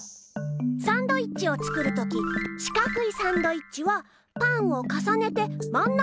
サンドイッチを作るときしかくいサンドイッチはパンをかさねてまん中を切るでしょ？